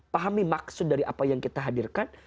pahami maksud dari apa yang kita hadirkan